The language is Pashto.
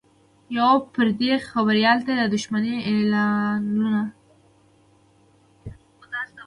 یوه پردي خبریال ته یې دا دښمني اعلانوله